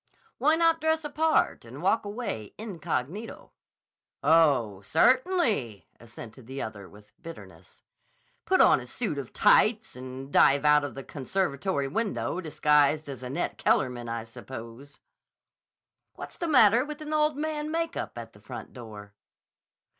"Why not dress a part and walk away incognito?" "Oh, certainly!" assented the other with bitterness. "Put on a suit of tights and dive out of the conservatory window disguised as Annette Kellerman, I suppose." "What's the matter with an old man makeup and the front door?"